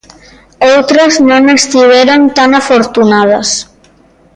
Outras non estiveron tan afortunadas.